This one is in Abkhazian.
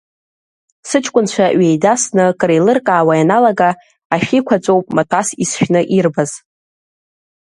Сыҷкәынцәа ҩеидасны, креилыркаауа ианалага, ашәиқәаҵәоуп маҭәас исшәны ирбаз!